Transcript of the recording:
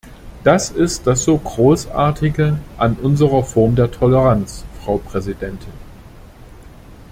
Das ist das so Großartige an unserer Form der Toleranz, Frau Präsidentin.